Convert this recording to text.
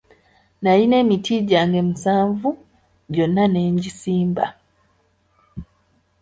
Nalina emiti gyange musanvu gyonna ne ngisimba.